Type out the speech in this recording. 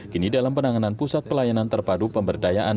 kini dalam penanganan pusat pelayanan terpadu pemberdayaan